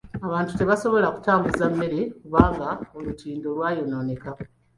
Abantu tebaasobola kutambuza mmere kubanga olutindo lwayonooneka.